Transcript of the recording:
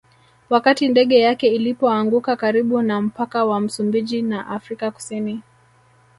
Wakati ndege yake ilipoanguka karibu na mpaka wa Msumbiji na Afrika Kusini